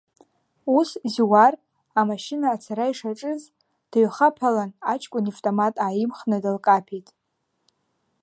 Ус Зиуар амашьына ацара ишаҿыз дыҩхаԥалан аҷкәын ивтомат ааимхны дылкаԥеит.